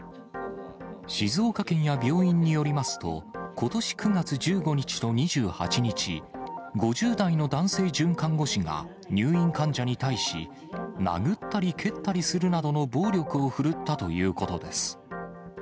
静岡県や病院によりますと、ことし９月１５日と２８日、５０代の男性准看護師が、入院患者に対し、殴ったり蹴ったりするなどの暴力を振るったということです。